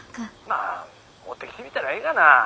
まあ持ってきてみたらええがな。